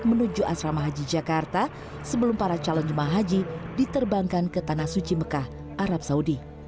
menuju asrama haji jakarta sebelum para calon jemaah haji diterbangkan ke tanah suci mekah arab saudi